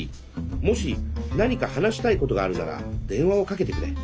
もし何か話したいことがあるなら電話をかけてくれ。